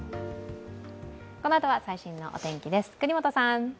このあとは最新のお天気です、國本さん。